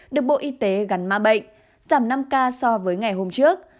được bộ y tế gắn ma bệnh giảm năm ca so với ngày hôm trước